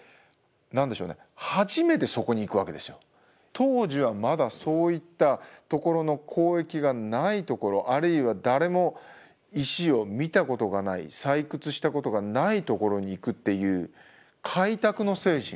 当時はまだそういったところの交易がないところあるいは誰も石を見たことがない採掘したことがないところに行くっていう開拓の精神。